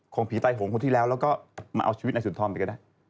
ของผีใต้หงค์คนที่แล้วแล้วก็มาเอาชีวิตในสุดท้อนไปก็ได้